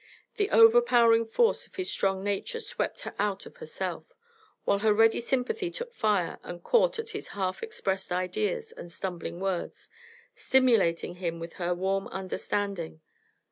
The overpowering force of his strong nature swept her out of herself, while her ready sympathy took fire and caught at his half expressed ideas and stumbling words, stimulating him with her warm understanding.